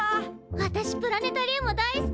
わたしプラネタリウム大好き！